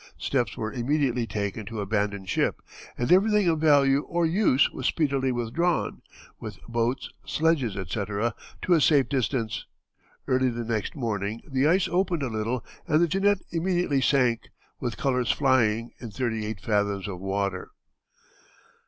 Steps were immediately taken to abandon ship, and everything of value or use was speedily withdrawn, with boats, sledges, etc., to a safe distance. Early the next morning the ice opened a little, and the Jeannette immediately sank, with colors flying, in thirty eight fathoms of water.